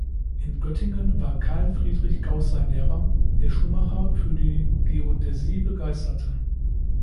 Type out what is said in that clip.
In Göttingen war Carl Friedrich Gauß sein Lehrer, der Schumacher für die Geodäsie begeisterte.